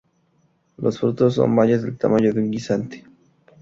Los frutos son bayas del tamaño de un guisante.